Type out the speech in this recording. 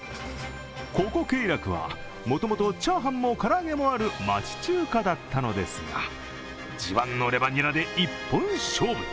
ここ、ｋＥｉ楽は、もともとチャーハンも唐揚げもある町中華だったのですが、自慢のレバニラで一本勝負。